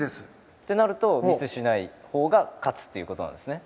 となると、ミスしないほうが勝つということなんですね。